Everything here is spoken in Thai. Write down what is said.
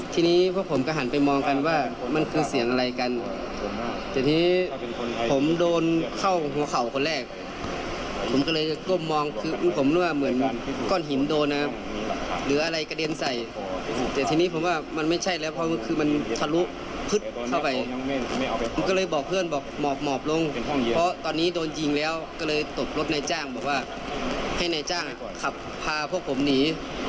ตกรถนายจ้างหากบอกว่าให้นายจ้างขับพาพวกผมหนี